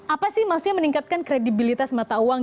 apa sih maksudnya meningkatkan kredibilitas mata uang